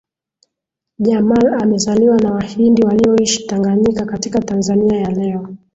Jamal amezaliwa na Wahindi walioishi Tanganyika katika Tanzania ya leo